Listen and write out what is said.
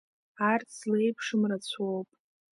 Арҭ злеиԥшым рацәоуп.